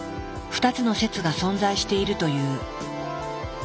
２つの説が存在しているという。